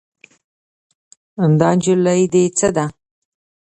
دا نجلۍ دې څه ده؟